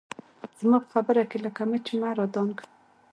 زما په خبره کښې لکه مچ مه رادانګه